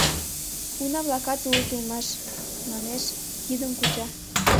— Уна-влакат улыт улмаш, — манеш, кидым куча.